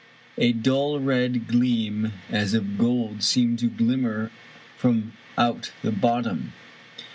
A dull red gleam as of gold seemed to glimmer from out the bot tom.